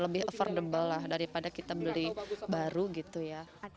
lebih affordable lah daripada kita beli baru gitu ya